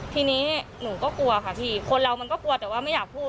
ทีนี้หนูก็กลัวค่ะพี่คนเรามันก็กลัวแต่ว่าไม่อยากพูด